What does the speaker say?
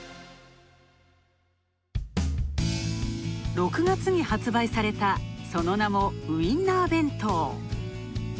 ６月に発売された、その名もウインナー弁当。